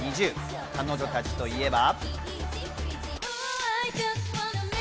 彼女たちといえば。